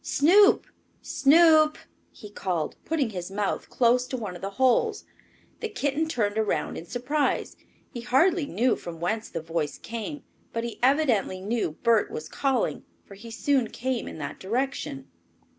"Snoop! Snoop!" he called, putting his mouth close to one of the holes. The kitten turned around in surprise. He hardly knew from whence the voice came, but he evidently knew Bert was calling, for he soon came in that direction.